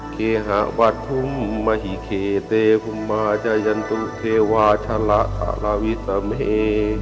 เคหาวัทธุมมหิเคเตภุมาจัยันตุเทวาชะละทะลาวิสเม